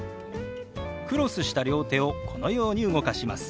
クロスした両手をこのように動かします。